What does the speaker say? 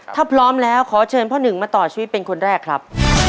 ถ้าพร้อมแล้วขอเชิญพ่อหนึ่งมาต่อชีวิตเป็นคนแรกครับ